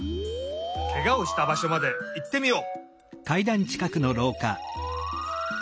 ケガをしたばしょまでいってみよう。